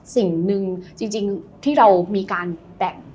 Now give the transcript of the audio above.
สิ่งหนึ่งจริงที่เรามีการแบ่ง